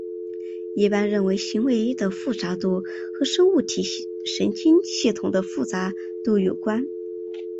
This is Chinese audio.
一般认为行为的复杂度和生物体神经系统的复杂度有关。